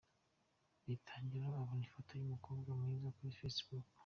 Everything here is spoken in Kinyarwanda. Bitangira abona ifoto y'umukobwa mwiza kuri Facebook.